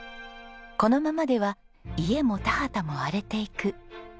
このままでは家も田畑も荒れていく。